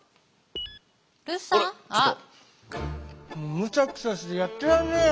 むしゃくしゃしてやってらんねえよ。